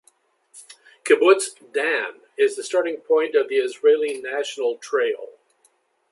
Kibbutz Dan is the starting point of the Israel National Trail.